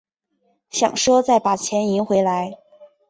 想说再把钱赢回来